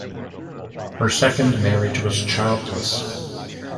Her second marriage was childless.